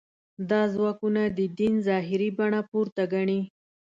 دا ځواکونه د دین ظاهري بڼه پورته ګڼي.